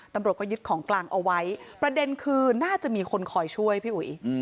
ตำรวจก็ยึดของกลางเอาไว้ประเด็นคือน่าจะมีคนคอยช่วยพี่อุ๋ย